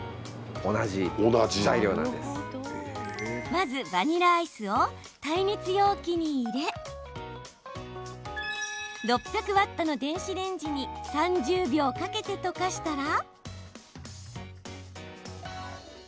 まず、バニラアイスを耐熱容器に入れ６００ワットの電子レンジに３０秒かけて溶かしたら。